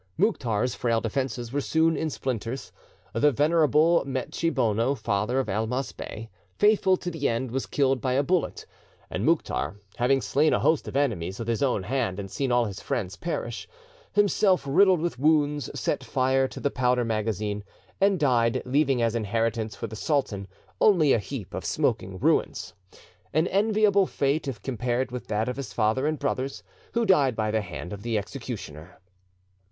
Mouktar's frail defences were soon in splinters. The venerable Metche Bono, father of Elmas Bey, faithful to the end, was killed by a bullet; and Mouktar, having slain a host of enemies with his own hand and seen all his friends perish, himself riddled with wounds, set fire to the powder magazine, and died, leaving as inheritance for the sultan only a heap of smoking ruins. An enviable fate, if compared with that of his father and brothers, who died by the hand of the executioner.